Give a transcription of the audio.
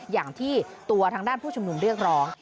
อย่างที่ตัวทางด้านผู้ชุมนุมเรียกร้อง